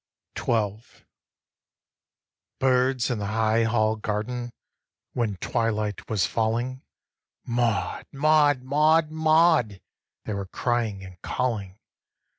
XII. 1. Birds in the high Hall garden When twilight was falling, Maud, Maud, Maud, Maud, They were crying and calling.